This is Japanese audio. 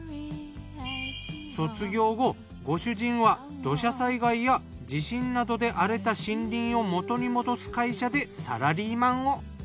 卒業後ご主人は土砂災害や地震などで荒れた森林を元に戻す会社でサラリーマンを。